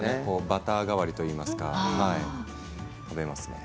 バター代わりといいますかね、食べますね。